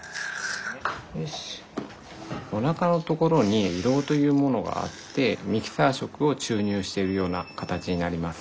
おなかのところに胃ろうというものがあってミキサー食を注入してるような形になります。